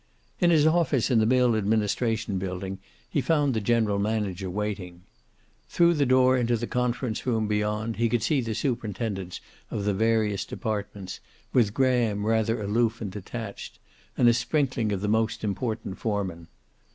In his office in the mill administration building, he found the general manager waiting. Through the door into the conference room beyond he could see the superintendents of the various departments, with Graham rather aloof and detached, and a sprinkling of the most important foremen.